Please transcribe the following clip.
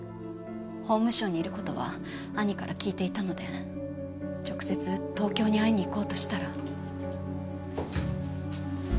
法務省にいる事は兄から聞いていたので直接東京に会いに行こうとしたら。